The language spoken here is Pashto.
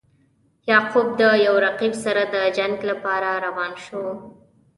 یعقوب د یو رقیب سره د جنګ لپاره روان شو.